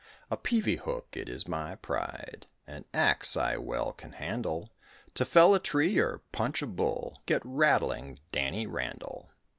A peavy hook it is my pride, An ax I well can handle; To fell a tree or punch a bull Get rattling Danny Randall.